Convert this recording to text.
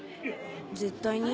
絶対に？